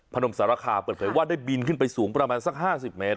ปนมสารคาเต๋ยว่าได้บินขึ้นไปสูงประมาณสักห้าทีแล้ว